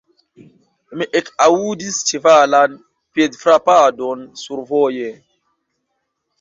Mi ekaŭdis ĉevalan piedfrapadon survoje.